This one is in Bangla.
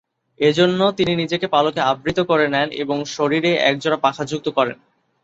এজন্য তিনি নিজেকে পালকে আবৃত করে নেন এবং শরীরে একজোড়া পাখা যুক্ত করেন।